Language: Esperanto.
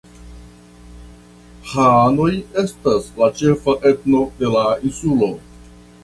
Hanoj estas la ĉefa etno de la insulo.